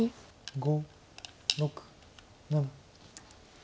５６７。